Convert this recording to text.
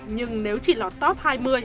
nhưng nếu chỉ lọt top hai mươi ba mươi